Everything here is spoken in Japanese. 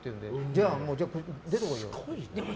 じゃあ出てこいよって。